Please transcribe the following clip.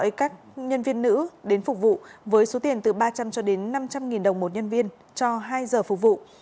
vì vậy nguyễn thị hoa đã gọi các nhân viên nữ đến phục vụ với số tiền từ ba trăm linh cho đến năm trăm linh nghìn đồng một nhân viên cho hai giờ phục vụ